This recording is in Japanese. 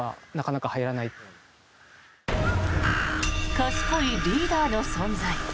賢いリーダーの存在。